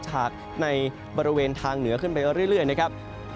หลังเหนือขึ้นไปเรื่อยนะครับ